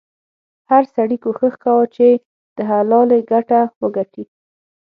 هر سړي کوښښ کاوه چې د حلالې ګټه وګټي.